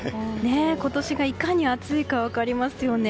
今年がいかに暑いか分かりますよね。